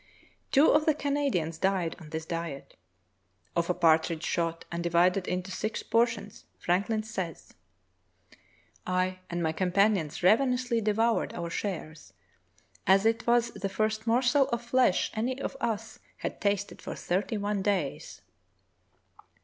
Two of the Canadians died on this diet. Of a partridge shot and divided into six portions Franklin says: "I and my companions ravenously devoured our shares, as it was the first morsel of flesh any of us had tasted for thirty one days."